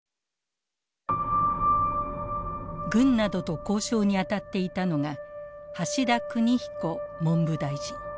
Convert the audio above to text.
軍などと交渉に当たっていたのが橋田邦彦文部大臣。